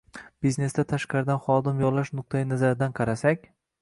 biznesda tashqaridan xodim yollash nuqtayi nazaridan qarasak